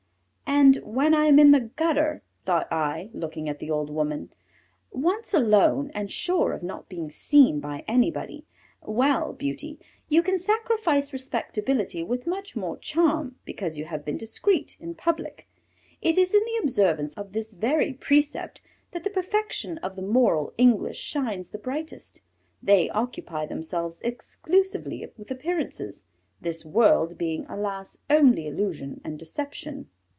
"And when I am in the gutter?" thought I, looking at the old woman. "Once alone, and sure of not being seen by anybody, well, Beauty, you can sacrifice respectability with much more charm because you have been discreet in public. It is in the observance of this very precept that the perfection of the moral English shines the brightest: they occupy themselves exclusively with appearances, this world being, alas, only illusion and deception."